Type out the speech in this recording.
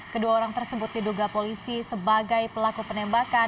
kedua orang tersebut diduga polisi sebagai pelaku penembakan